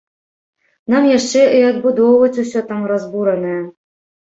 Нам яшчэ і адбудоўваць усё там разбуранае!